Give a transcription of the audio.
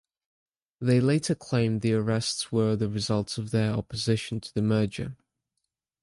They later claimed the arrests were the result of their opposition to the merger.